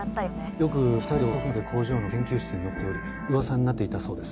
よく２人で遅くまで工場の研究室に残っており噂になっていたそうです。